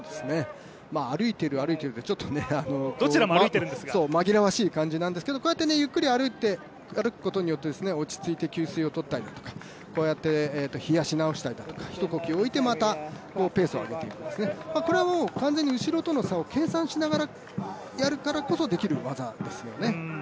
歩いている、歩いているでちょっと紛らわしい感じなんですけれども、こうやってゆっくり歩くことによって、落ち着いて給水をとったりだとかこうやって冷やし直したりだとか一呼吸置いてペースを上げていくんですね、これはもう完全に後ろとの差を計算してやるからこそできる技ですよね。